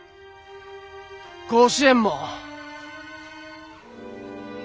甲子園も。